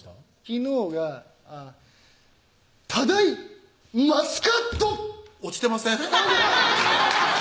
昨日が「ただいマスカット！」落ちてません？